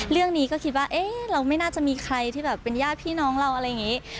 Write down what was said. เรื่องนี้ก็คิดว่าเอ๊ะเราไม่น่าจะมีใครที่แบบเป็นญาติพี่น้องเราอะไรอย่างนี้